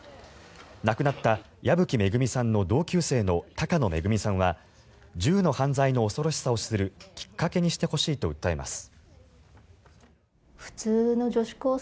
亡くなった矢吹恵さんの同級生の鷹野めぐみさんは銃の犯罪の恐ろしさを知るきっかけにしてほしいと訴えています。